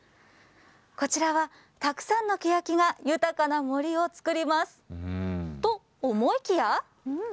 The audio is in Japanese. こちらは、たくさんのケヤキが豊かな森を作ります。と思いきや。